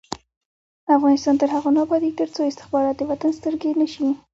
افغانستان تر هغو نه ابادیږي، ترڅو استخبارات د وطن سترګې نشي.